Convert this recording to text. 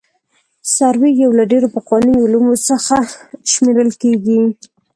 سروې یو له ډېرو پخوانیو علومو څخه شمېرل کیږي